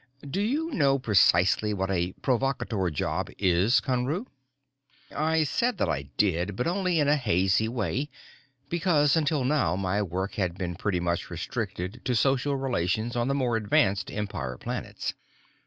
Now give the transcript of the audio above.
"Do you know precisely what a provocateur job is, Conru?" I said that I did, but only in a hazy way, because until now my work had been pretty much restricted to social relations on the more advanced Empire planets.